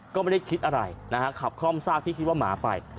ก็ไม่ได้คิดอะไรนะฮะขับคล่อมซากที่คิดว่าหมาไป